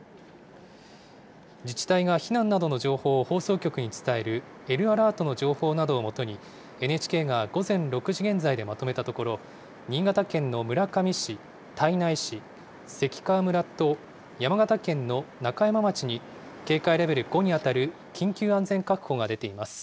自治体が避難などの情報を放送局に伝えるＬアラートの情報などを基に、ＮＨＫが午前６時現在でまとめたところ、新潟県の村上市、胎内市、関川村と山形県の中山町に、警戒レベル５に当たる緊急安全確保が出ています。